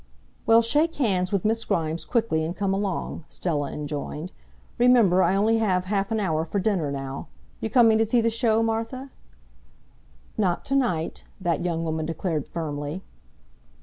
"Well, shake hands with Miss Grimes quickly and come along," Stella enjoined. "Remember I only have half an hour for dinner now. You coming to see the show, Martha?" "Not to night," that young woman declared firmly.